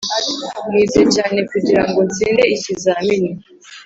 nize cyane kugirango ntsinde ikizamini.